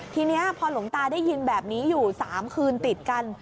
ทีนี้พอหลวงตาได้ยินแบบนี้อยู่๓คืนติดกัน